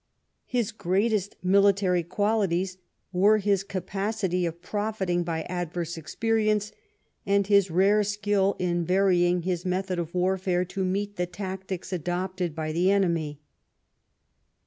His greatest military qualities were his capacity of profiting by adverse experience, and his rare skill in varying his method of warfare to meet the tactics adopted by the enemy.